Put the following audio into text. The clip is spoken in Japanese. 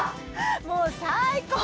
もう最高！